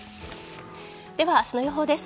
では明日の予報です。